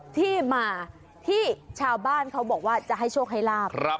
ที่มาที่ชาวบ้านเขาบอกว่าจะให้โชคให้ลาบ